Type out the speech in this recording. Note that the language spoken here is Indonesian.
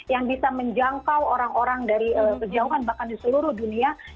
yang bisa menjangkau orang orang dari kejauhan bahkan di seluruh dunia